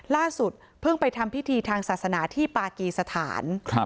ล่าสุดเพิ่งไปทำพิธีทางศาสนาที่ปากีสถาน